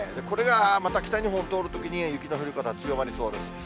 これがまた、北日本通るときに、雪の降り方が強まりそうです。